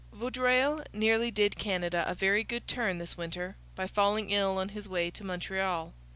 Vaudreuil nearly did Canada a very good turn this winter, by falling ill on his way to Montreal.